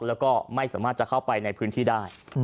แล้วก็ไม่สามารถจะเข้าไปในพื้นที่ได้